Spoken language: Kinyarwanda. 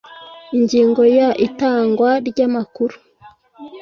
Ingingo ya Itangwa ry amakuru